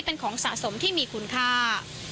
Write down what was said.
เป็นของสะสมที่มีคุณค่า